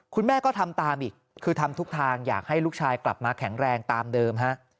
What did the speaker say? คุณแม่ก็ทำตามอีกคือทำทุกทางอยากให้ลูกชายกลับมาแข็งแรงตามเดิมฮะ